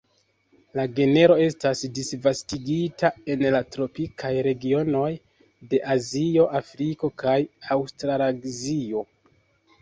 La genro estas disvastigita en la tropikaj regionoj de Azio, Afriko kaj Aŭstralazio.